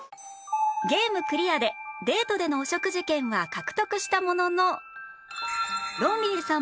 ゲームクリアでデートでのお食事券は獲得したもののロンリーさん